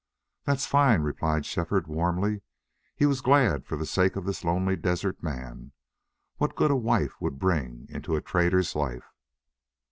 "That's fine," replied Shefford, warmly. He was glad for the sake of this lonely desert man. What good a wife would bring into a trader's life!